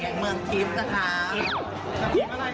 อันนี้ต้องมา